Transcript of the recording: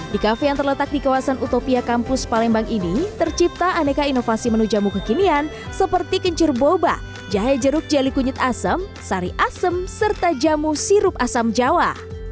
di kafe yang terletak di kawasan utopia kampus palembang ini tercipta aneka inovasi menu jamu kekinian seperti kencur boba jahe jeruk jeli kunyit asem sari asem serta jamu sirup asam jawa